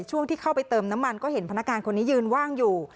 ช่วงที่เข้าไปเติมน้ำมันก็เห็นพนักงานคนนี้ยืนว่างอยู่